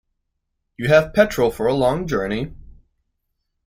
You have petrol for a long journey?